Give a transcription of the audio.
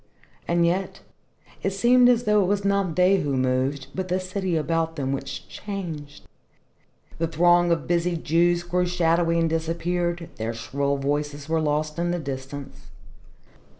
And yet it seemed as though it was not they who moved, but the city about them which changed. The throng of busy Jews grew shadowy and disappeared, their shrill voices were lost in the distance.